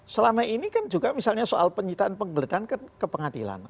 selama ini kan juga misalnya soal penyitaan penggeledahan kan ke pengadilan